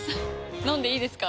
飲んでいいですか？